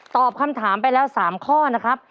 ตอบคำถามไปแล้ว๓ข้อนะครับ